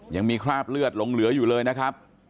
ยังมีคราบเลือดลงเหลืออยู่เลยนะครับ